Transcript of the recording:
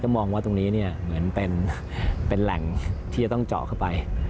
มองว่าตรงนี้เหมือนเป็นแหล่งที่จะต้องเจาะเข้าไป